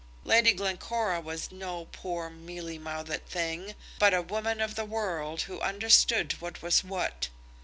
Lady Glencora was no poor, mealy mouthed thing, but a woman of the world who understood what was what.